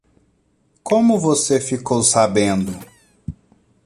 Como você ficou sabendo?